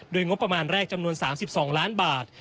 โดยงบประมาณแรกจำนวน๓๒ล้านบาท